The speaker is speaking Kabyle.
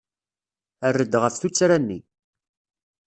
Err-d ɣef tuttra-nni.